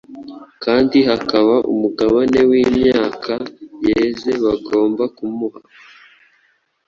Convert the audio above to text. kandi hakaba umugabane w'imyaka yeze bagomba kumuha.